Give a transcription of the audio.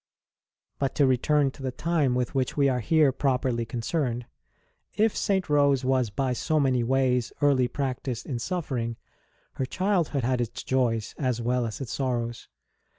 But to return to the time with which we are here properly concerned: if St. Rose was by so many ways early practised in suffering, her child hood had its joys as well as its sorrows.